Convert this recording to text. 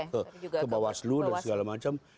ke bawaslu dan segala macam